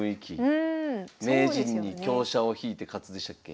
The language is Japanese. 「名人に香車を引いて勝つ」でしたっけ？